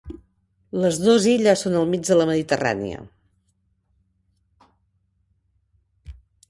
Les dos illes són al mig de la Mediterrània.